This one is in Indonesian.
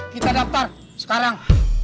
kita daftar sekarang